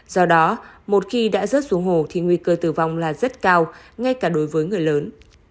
do đó một khi đã rớt xuống hồ thì nguy cơ tử vong là rất cao ngay cả đối với người lớn